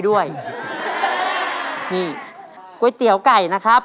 เพื่อชิงทุนต่อชีวิตสุด๑ล้านบาท